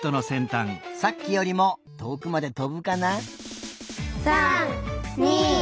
さっきよりもとおくまでとぶかな？